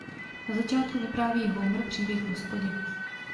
Na začátku vypráví Homer příběh v hospodě.